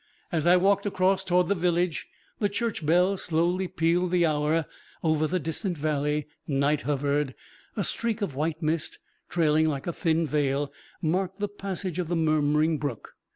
As I walked across toward the village, the church bell slowly pealed the hour; over the distant valley, night hovered; a streak of white mist, trailing like a thin veil, marked the passage of the murmuring brook.